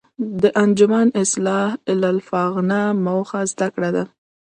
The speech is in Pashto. د انجمن اصلاح الافاغنه موخه زده کړه وه.